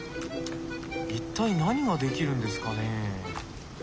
一体何が出来るんですかね。